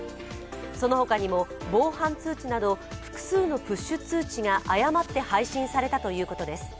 その他にも防犯通知など複数のプッシュ通知が誤って配信されたということです。